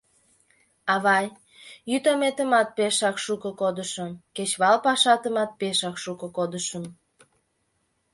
Авай, йӱдометымат пешак шуко кодышым, кечывал пашатымат пешак шуко кодышым...